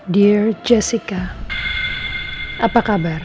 dear jessica apa kabar